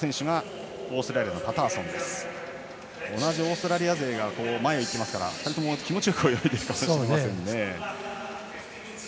同じオーストラリア勢が前をいきますから２人とも気持ちよく泳いでいるかもしれません。